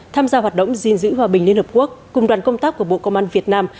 tham gia hoạt động gìn giữ hòa bình liên hợp quốc cùng đoàn công tác của bộ công an việt nam